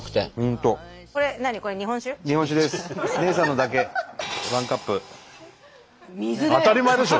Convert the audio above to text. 当たり前でしょ！